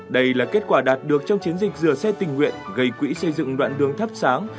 đây là kết quả đạt được trong chiến dịch rửa xe tình nguyện gây quỹ xây dựng đoạn đường thắp sáng